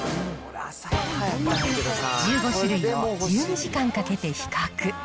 １５種類を１２時間かけて比較。